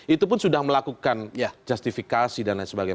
itu pun sudah melakukan justifikasi dan lain sebagainya